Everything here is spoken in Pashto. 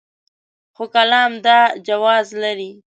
خو کالم دا جواز لري.